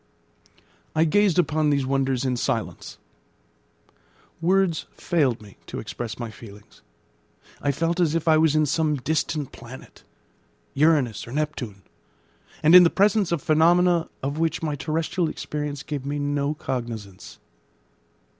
I gazed upon these wonders in silence. Words failed me to express my feelings. I felt as if I was in some distant planet Uranus or Neptune and in the presence of phenomena of which my terrestrial experience gave me no cognisance.